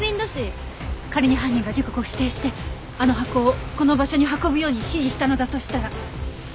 仮に犯人が時刻を指定してあの箱をこの場所に運ぶように指示したのだとしたら。